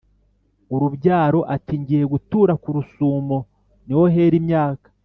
urubyaro ati"ngiye gutura ku rusumo niho hera imyaka